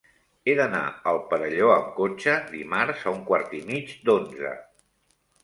He d'anar al Perelló amb cotxe dimarts a un quart i mig d'onze.